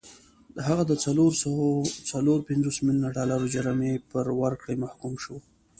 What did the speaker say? هغه د څلور سوه څلور پنځوس میلیونه ډالرو جریمې پر ورکړې محکوم شو.